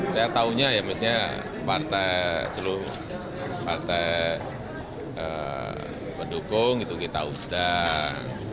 saya tahunya ya misalnya partai seluruh partai pendukung itu kita undang